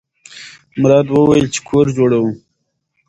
مراد وویل چې کور جوړوم.